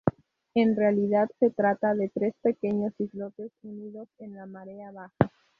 En realidad se trata de tres pequeños islotes unidos en la marea baja.